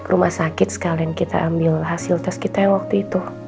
rumah sakit sekalian kita ambil hasil tes kita yang waktu itu